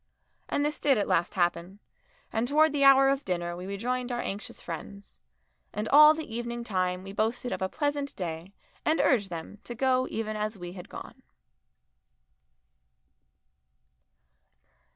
And this did at last happen, and towards the hour of dinner we rejoined our anxious friends, and all the evening time we boasted of a pleasant day and urged them to go even as we had gone.